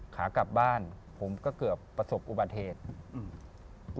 ขากลับบ้านผมก็เกือบประสบอุบัติเหตุอืม